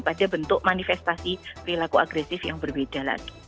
pada bentuk manifestasi perilaku agresif yang berbeda lagi